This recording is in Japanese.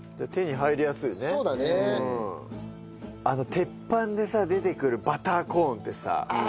鉄板でさ出てくるバターコーンってさ